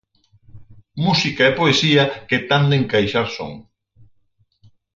Música e poesía que tan de encaixar son.